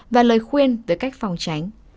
và lời khuyên về cách phòng tránh